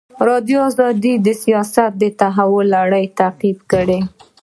ازادي راډیو د سیاست د تحول لړۍ تعقیب کړې.